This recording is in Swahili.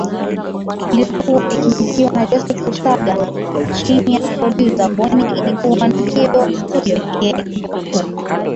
iliyokuwa ikimilikiwa na Joseph Kusaga chini ya prodyuza Bonnie ilikuwa ndiyo studio pekee iliyokuwa